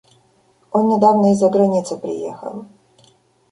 Он недавно из-за границы приехал.